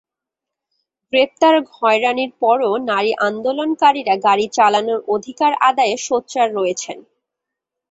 গ্রেপ্তার হয়রানির পরও নারী আন্দোলনকারীরা গাড়ি চালানোর অধিকার আদায়ে সোচ্চার রয়েছেন।